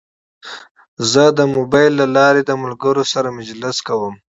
زه د موبایل له لارې د ملګرو سره مجلس کوم.